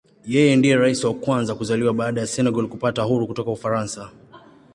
Yeye ndiye Rais wa kwanza kuzaliwa baada ya Senegal kupata uhuru kutoka Ufaransa.